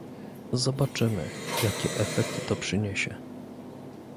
Zobaczymy, jakie efekty to przyniesie